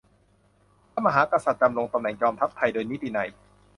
พระมหากษัตริย์ดำรงตำแหน่งจอมทัพไทยโดยนิตินัย